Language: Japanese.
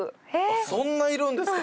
そんないるんですか。